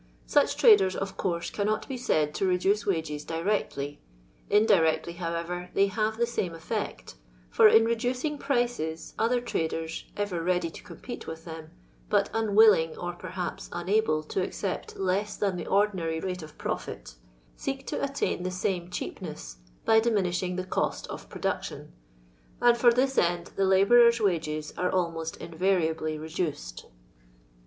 Such traders, of course, cannot be said to reduce wages directly ^indirectly, however, they have the same tfkcif for in reducing prices, other traders, ever ready to compete with them, but, unwilling, or p«rhaps unable, to accept less than the ordinary rate of profit, seek to attain the same cheapness by diminishing the cost of production, and for this end the labourers* wages are almost in variably reduced.